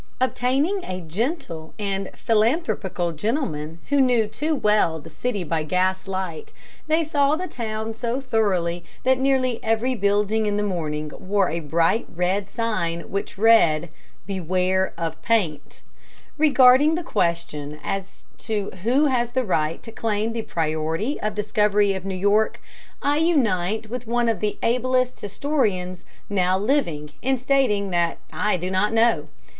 Obtaining a gentle and philanthropical gentleman who knew too well the city by gas light, they saw the town so thoroughly that nearly every building in the morning wore a bright red sign which read ++| BEWARE OF PAINT. |++ Regarding the question as to who has the right to claim the priority of discovery of New York, I unite with one of the ablest historians now living in stating that I do not know.